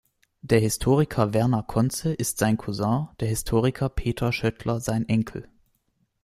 Der Historiker Werner Conze ist sein Cousin, der Historiker Peter Schöttler sein Enkel.